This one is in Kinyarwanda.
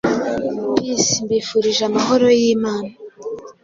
Peace mbifurije amahoro y’imana